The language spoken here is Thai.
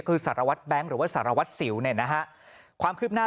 คือสารวัตรแบงค์หรือว่าสารวัตรสิวเนี่ยนะฮะความคืบหน้า